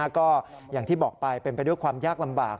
ก็อย่างที่บอกไปเป็นไปด้วยความยากลำบาก